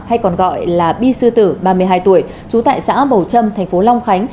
hay còn gọi là bi sư tử ba mươi hai tuổi trú tại xã bầu trâm thành phố long khánh